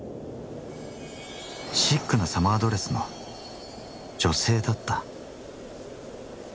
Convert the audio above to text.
シックなサマードレスの女性だった。